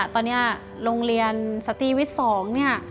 ตอนนี้โรงเรียนสตีวิทย์๒